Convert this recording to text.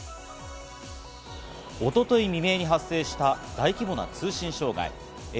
一昨日未明に発生した大規模な通信障害。